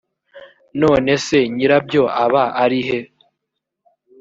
none se nyirabyo aba ari he?